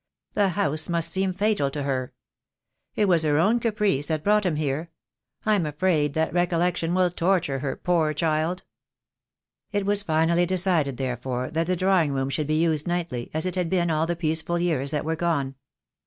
The house must seem fatal to her. It was her own caprice that brought him here. I'm afraid that re collection will torture her, poor child." It was finally decided therefore that the drawing room should be used nightly, as it had been in all the peace ful years that were gone.